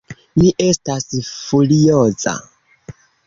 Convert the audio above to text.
Mi estas furioza!